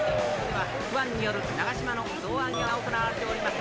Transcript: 今、ファンによる長嶋の胴上げが行われております。